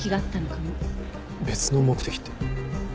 別の目的って？